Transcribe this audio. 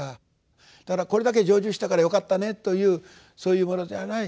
だから「これだけ成就したからよかったね」というそういうものじゃない。